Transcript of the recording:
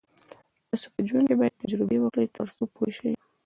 تاسو په ژوند کې باید تجربې وکړئ تر څو پوه شئ.